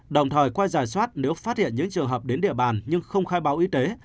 đồng thời qua giả soát nếu phát hiện những trường hợp đến địa bàn nhưng không khai báo y tế